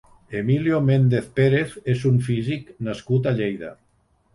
Emilio Méndez Pérez és un físic nascut a Lleida.